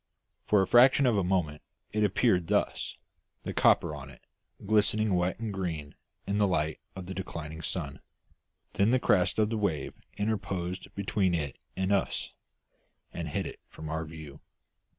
For a fraction of a moment it appeared thus, the copper on it glistening wet and green in the light of the declining sun; then the crest of the wave interposed between it and us, and hid it from our view.